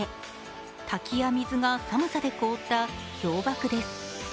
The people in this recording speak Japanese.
滝や水が寒さで凍った氷ばくです。